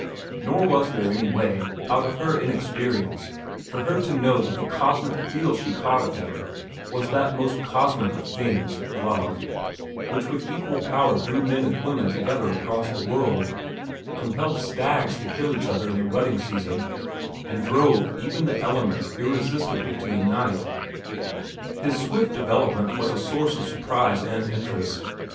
Nor was there any way, out of her inexperience, for her to know that the cosmic feel she caught of him was that most cosmic of things, love, which with equal power drew men and women together across the world, compelled stags to kill each other in the rutting season, and drove even the elements irresistibly to unite. His swift development was a source of surprise and interest.